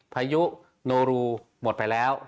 พายุโนรูหมดไปแล้ว